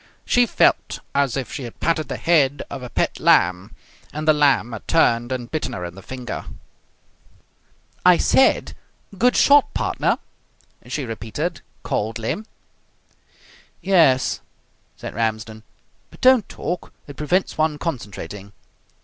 She felt as if she had patted the head of a pet lamb, and the lamb had turned and bitten her in the finger. "I said, 'Good shot, partner!'" she repeated coldly. "Yes," said Ramsden, "but don't talk. It prevents one concentrating."